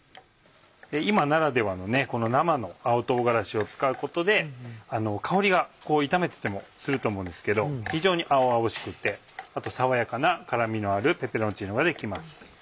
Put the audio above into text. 今ならではのこの生の青唐辛子を使うことで香りが炒めててもすると思うんですけど非常に青々しくてあと爽やかな辛みのあるペペロンチーノができます。